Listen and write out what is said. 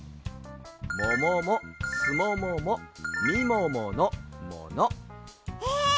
もももすもももみもものもの。え！